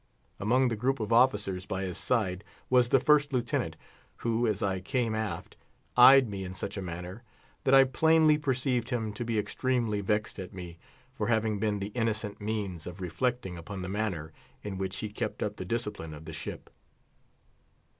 Among the group of officers by his side was the First Lieutenant, who, as I came aft, eyed me in such a manner, that I plainly perceived him to be extremely vexed at me for having been the innocent means of reflecting upon the manner in which he kept up the discipline of the ship.